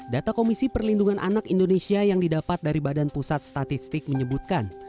data komisi perlindungan anak indonesia yang didapat dari badan pusat statistik menyebutkan